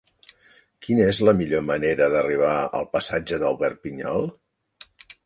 Quina és la millor manera d'arribar al passatge d'Albert Pinyol?